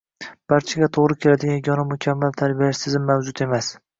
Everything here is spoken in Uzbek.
Barchaga to‘g‘ri keladigan yagona mukammal tarbiyalash tizimi mavjud emas